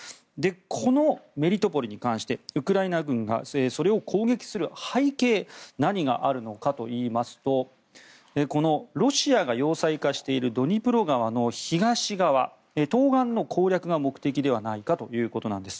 このメリトポリに関してウクライナ軍がそれを攻撃する背景何があるのかといいますとロシア軍が要塞化しているドニプロ川の東側東岸の攻略が目的ではないかということなんです。